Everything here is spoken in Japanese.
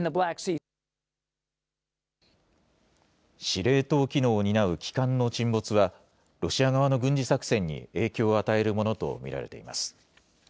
司令塔機能を担う旗艦の沈没は、ロシア側の軍事作戦に影響を与えるものと見られています。